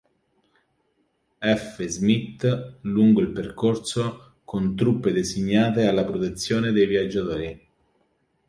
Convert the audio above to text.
F. Smith lungo il percorso, con truppe designate alla protezione dei viaggiatori.